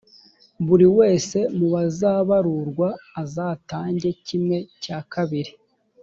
buri wese mu bazabarurwa azatange kimwe cya kabiri